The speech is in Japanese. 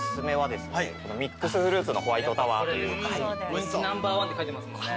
人気ナンバーワンって書いてますもんね。